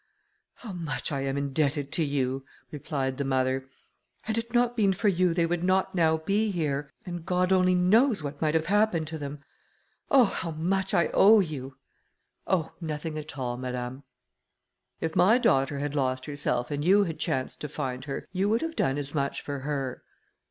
"How much I am indebted to you!" replied the mother. "Had it not been for you, they would not now be here, and God only knows what might have happened to them. Oh, how much I owe you!" "Oh, nothing at all, madame; if my daughter had lost herself, and you had chanced to find her, you would have done as much for her."